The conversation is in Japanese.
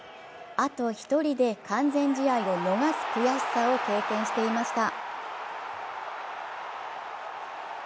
あと１人で完全試合を逃す悔しさを経験していました。